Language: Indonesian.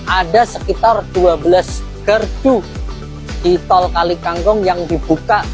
ada sekitar dua belas gerdu di tol kalikangkung yang dibuka